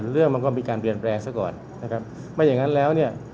เรื่องมันก็มีการเปลี่ยนแปลงซะก่อนนะครับไม่อย่างนั้นแล้วเนี่ย